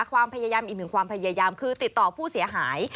ความพยายามอีกหนึ่งความพยายามคือติดต่อผู้เสียหาย